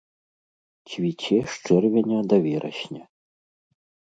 Цвіце з чэрвеня да верасня.